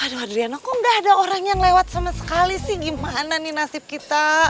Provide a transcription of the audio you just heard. aduh adriano kok gak ada orang yang lewat sama sekali sih gimana nih nasib kita